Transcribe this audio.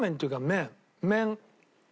麺。